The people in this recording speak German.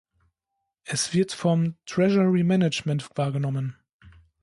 Es wird vom "Treasury Management" wahrgenommen.